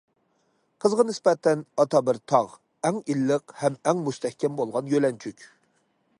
قىزغا نىسبەتەن ئاتا بىر تاغ، ئەڭ ئىللىق ھەم ئەڭ مۇستەھكەم بولغان يۆلەنچۈك.